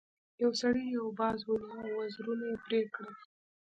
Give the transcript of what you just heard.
یو سړي یو باز ونیو او وزرونه یې پرې کړل.